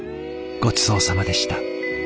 ごちそうさまでした。